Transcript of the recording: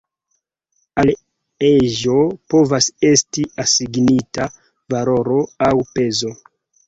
Al eĝo povas esti asignita valoro aŭ pezo.